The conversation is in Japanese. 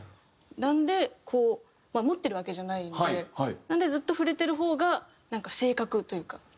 なのでこうまあ持ってるわけじゃないんでずっと触れてる方がなんか正確というか。